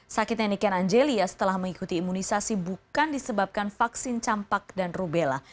sakitnya niken angelia setelah mengikuti imunisasi bukan disebabkan vaksin campak dan rubella